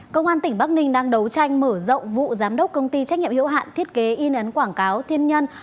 công an tỉnh bắc ninh đang đấu tranh mở rộng vụ giám đốc công ty trách nhiệm hiệu hạn thiết kế in ấn quảng cáo thiên nhân